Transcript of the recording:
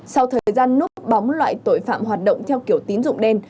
sau thời gian núp bóng loại tội phạm hoạt động theo kiểu tín dụng đen